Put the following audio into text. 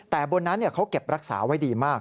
แต่บนนั้นเขาเก็บรักษาไว้ดีมาก